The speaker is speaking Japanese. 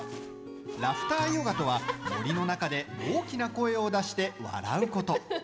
ラフターヨガとは森の中で大きな声を出して笑うこと。